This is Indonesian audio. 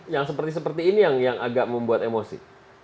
yang seperti seperti ini yang agak membuat emosi